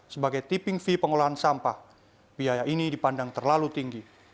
sebagai tiping fee pengolahan sampah biaya ini dipandang terlalu tinggi